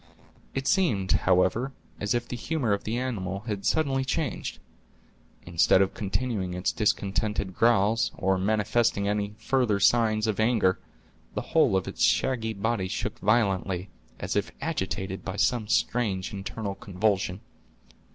It seemed, however, as if the humor of the animal had suddenly changed. Instead of continuing its discontented growls, or manifesting any further signs of anger, the whole of its shaggy body shook violently, as if agitated by some strange internal convulsion.